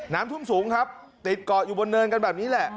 น้ำท่วมสูงครับติดเกาะอยู่บนเนินกันแบบนี้แหละ